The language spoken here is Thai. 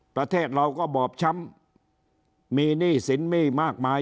ประเทศเราก็บอบช้ำมีหนี้สินหนี้มากมาย